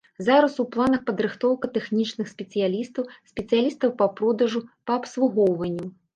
Зараз у планах падрыхтоўка тэхнічных спецыялістаў, спецыялістаў па продажу, па абслугоўванню.